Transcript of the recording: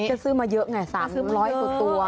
มีแต่ซื้อมาเยอะไงสามล้อยกว่าตัว